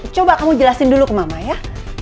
coba kamu jelasin dulu ke mama ya